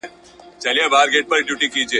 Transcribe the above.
وي به درې کلنه ماته ښکاري میاشتنۍ `